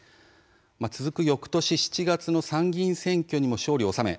続く、よくとし７月の参議院選挙にも勝利を収め